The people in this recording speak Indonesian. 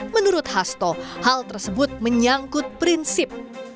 menurut hasto hal tersebut menyangkut prinsip